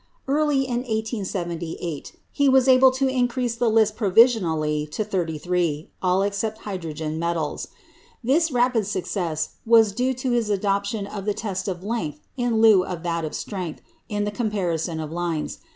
Early in 1878 he was able to increase the list provisionally to thirty three, all except hydrogen metals. This rapid success was due to his adoption of the test of length in lieu of that of strength in the comparison of lines.